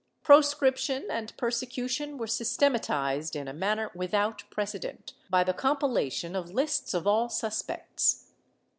Proscription and persecution were systematized in a manner without precedent, by the compilation of lists of all suspects.